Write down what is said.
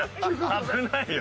危ないよ。